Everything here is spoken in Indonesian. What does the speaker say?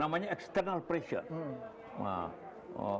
namanya eksternal pressure